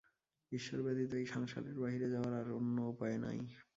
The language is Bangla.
ঈশ্বর ব্যতীত এই সংসারের বাহিরে যাওয়ার আর অন্য উপায় নাই।